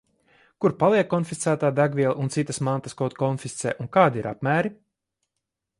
Kur paliek konfiscētā degviela un citas mantas, ko konfiscē, un kādi ir apmēri?